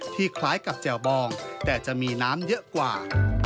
คล้ายกับแจ่วบองแต่จะมีน้ำเยอะกว่า